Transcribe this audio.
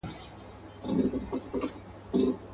د بلبلکو له سېلونو به وي ساه ختلې.